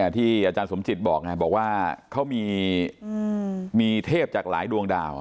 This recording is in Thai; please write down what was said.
ที่อาจารย์สมจิตบอกไงบอกว่าเขามีเทพจากหลายดวงดาว